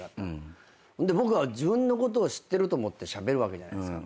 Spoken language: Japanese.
僕は自分のことを知ってると思ってしゃべるわけじゃないですか。